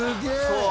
そう。